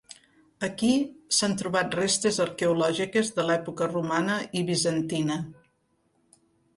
Aquí s'han trobat restes arqueològiques de l'època romana i bizantina.